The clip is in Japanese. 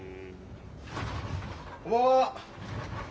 ・・こんばんは。